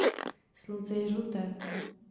Slunce je žluté.